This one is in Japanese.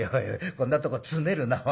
こんなとこつねるなおい。